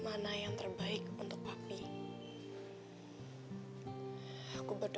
halo ke siapa